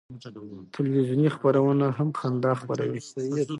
تلویزیوني خپرونه هم خندا خپروي.